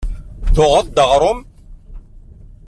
Tuɣeḍ-d aɣrum?